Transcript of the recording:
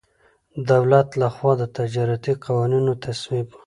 دولت له خوا د تجارتي قوانینو تصویب.